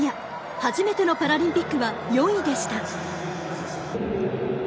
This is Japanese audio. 初めてのパラリンピックは４位でした。